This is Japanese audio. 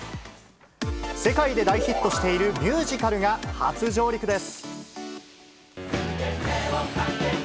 世界で大ヒットしているミュージカルが初上陸です。